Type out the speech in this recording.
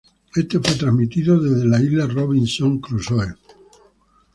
Éste fue transmitido desde la Isla Robinson Crusoe.